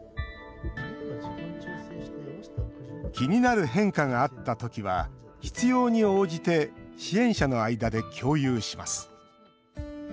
気になる変化があったときは必要に応じて支援者の間で共有します。